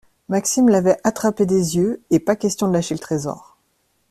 Maxime l’avait attrapée des yeux et pas question de lâcher le trésor.